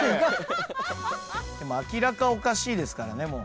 明らかおかしいですからね。